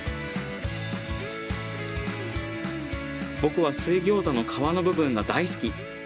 僕は水ギョーザの皮の部分が大好き！